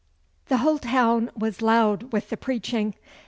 The whole town was loud with the preaching.